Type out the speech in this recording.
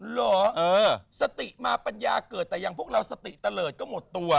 เหรอสติมาปัญญาเกิดแต่อย่างพวกเราสติเตลิศก็หมดตัว